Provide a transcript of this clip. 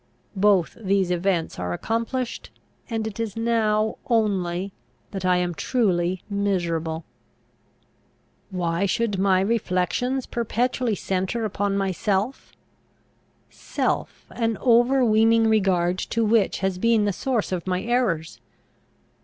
Both these events are accomplished; and it is now only that I am truly miserable. Why should my reflections perpetually centre upon myself? self, an overweening regard to which has been the source of my errors!